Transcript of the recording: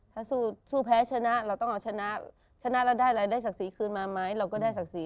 ถ้าสู้แพ้ชนะเราต้องเอาชนะชนะแล้วได้รายได้ศักดิ์ศรีคืนมาไหมเราก็ได้ศักดิ์ศรี